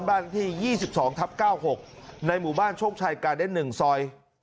บ้านที่๒๒ทับ๙๖ในหมู่บ้านโชคชัยกาเด้น๑ซอย